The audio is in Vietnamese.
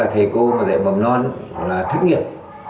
thầy cô mà dạy mầm non là thất nghiệp